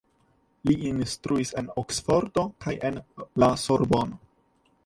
Li instruis en Oksfordo kaj en la Sorbono.